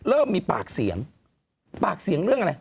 เริ่มมีปากเสียงปากเสียงเรื่องอะไร